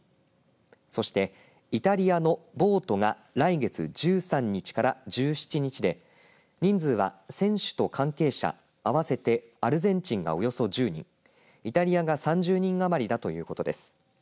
そして、イタリアのボートが来月１３日から１７日で人数は、選手と関係者合わせてアルゼンチンがおよそ１０人イタリアが３０人余りだということです。